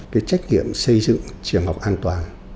cái trách nhiệm xây dựng trường học an toàn